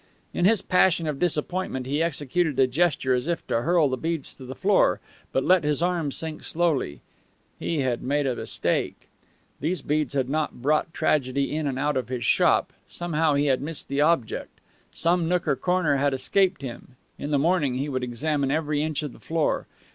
In his passion of disappointment he executed a gesture as if to hurl the beads to the floor, but let his arm sink slowly. He had made a mistake. These beads had not brought tragedy in and out of his shop. Somehow he had missed the object; some nook or corner had escaped him. In the morning he would examine every inch of the floor.